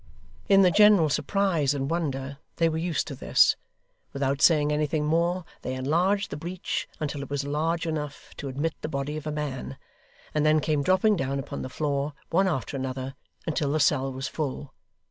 In the general surprise and wonder, they were used to this; without saying anything more, they enlarged the breach until it was large enough to admit the body of a man, and then came dropping down upon the floor, one after another, until the cell was full.